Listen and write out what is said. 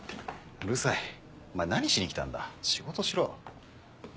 うるさいお前何しに来たんだ仕事しろ。